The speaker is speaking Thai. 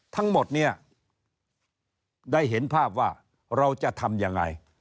ทั้งหมดเนี่ยได้เห็นภาพว่าเราจะทำยังไง